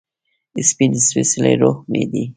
سپین سپيڅلې روح مې یې